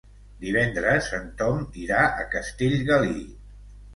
Divendres en Tom irà a Castellgalí.